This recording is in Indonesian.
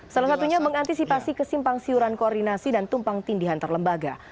salah satunya mengantisipasi kesimpang siuran koordinasi dan tumpang tindihan terlembaga